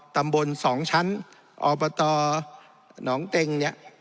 อตำบลสองชั้นอหนองเต้ง